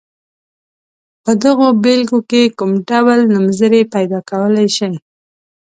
په دغو بېلګو کې کوم ډول نومځري پیداکولای شئ.